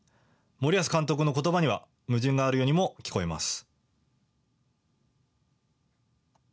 森保監督のことばには矛盾があるようにも聞こえます。